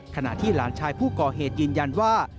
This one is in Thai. ขณะที่หลานชายผู้ก่อเหตุยืนยันว่า